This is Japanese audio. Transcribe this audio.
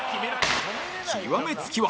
極め付きは